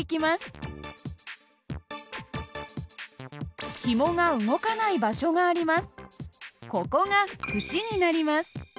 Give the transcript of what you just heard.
ここが節になります。